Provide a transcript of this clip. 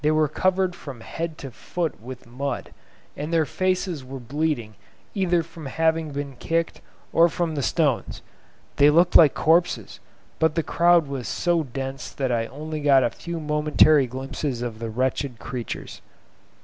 They were covered from head to foot with mud, and their faces were bleeding either from having been kicked or from the stones; they looked like corpses, but the crowd was so dense that I got only a few momentary glimpses of the wretched creatures.